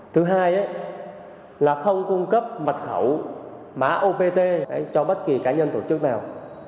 thứ hai là không cung cấp mật khẩu mã opt cho bất kỳ cá nhân tổ chức nào